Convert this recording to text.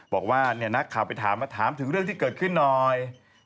บอกว่านักข่าวไปถามมาถามถึงเรื่องที่เกิดขึ้นหน่อย